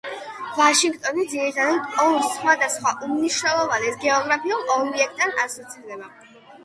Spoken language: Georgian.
ვაშინგტონი ძირითადად ორ სხვადასხვა უმნიშვნელოვანეს გეოგრაფიულ ობიექტთან ასოცირდება